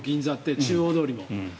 中央通も。